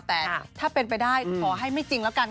แต่ถ้าเป็นไปได้ขอให้ไม่จริงแล้วกัน